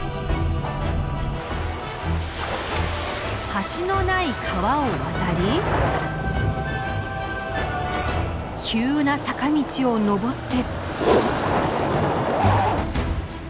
橋のない川を渡り急な坂道をのぼって。